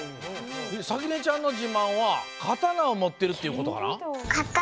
さきねちゃんのじまんは刀を持ってるっていうことかな？